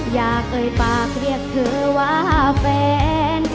เอ่ยปากเรียกเธอว่าแฟน